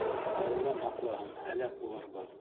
Аллам һаҡлаһын, һәләк булырбыҙ!